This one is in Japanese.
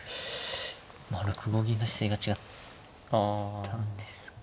６五銀の姿勢が違ったんですかね。